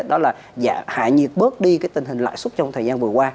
đó là hạ nhiệt bớt đi cái tình hình lạ súc trong thời gian vừa qua